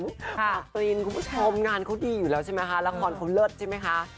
ปากปรินคุณผู้ชมงานเขาดีอยู่แล้วใช่ไหมคะละครเขาเลิศใช่ไหมคะ